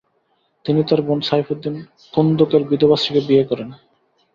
তিনি তার বোন সাইফুদ্দিন কুন্দুকের বিধবা স্ত্রীকে বিয়ে করেন।